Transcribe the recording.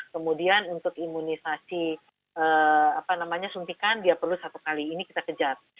kemudian untuk imunisasi suntikan dia perlu satu kali ini kita kejar